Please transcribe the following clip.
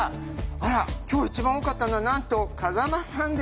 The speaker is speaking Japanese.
あら今日一番多かったのはなんと風間さんです。